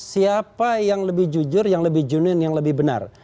siapa yang lebih jujur yang lebih jurnih yang lebih benar